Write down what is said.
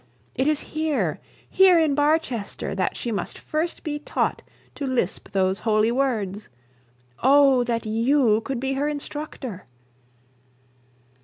It is here, here in Barchester, that she must first be taught to lisp those holy words. Oh, that you could be her instructor!'